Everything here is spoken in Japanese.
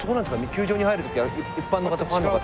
球場に入るときは一般の方ファンの方は。